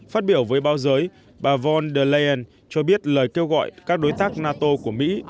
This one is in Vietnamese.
phát biểu với báo giới bà von der leyen cho biết lời kêu gọi các đối tác nato của mỹ